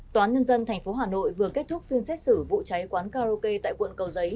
tòa án nhân dân tp hà nội vừa kết thúc phiên xét xử vụ cháy quán karaoke tại quận cầu giấy